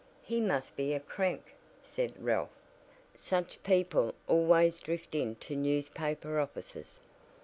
'" "He must be a crank," said Ralph. "Such people always drift into newspaper offices."